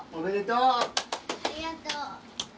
ありがとう。